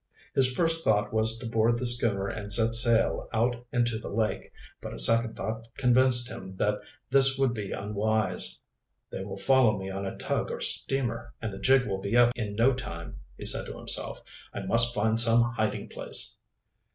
] His first thought was to board the schooner and set sail out into the lake, but a second thought convinced him that this would be unwise. "They will follow me on a tug or steamer, and the jig will be up in no time," he said to himself "I must find some hiding place."